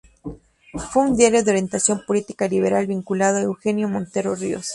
Fue un diario de orientación política liberal vinculado a Eugenio Montero Ríos.